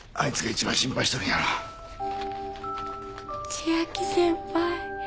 千秋先輩。